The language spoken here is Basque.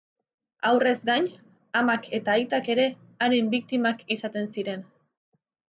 Haurrez gain, amak eta aitak ere haren biktimak izaten ziren.